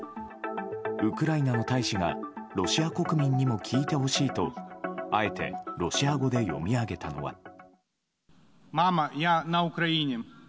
ウクライナの大使がロシア国民にも聞いてほしいとあえてロシア語で読み上げたのは。